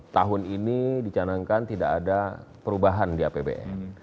tahun ini dicanangkan tidak ada perubahan di apbn